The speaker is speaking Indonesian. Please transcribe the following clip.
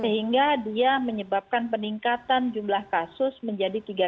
sehingga dia menyebabkan peningkatan jumlah kasus menjadi tiga ratus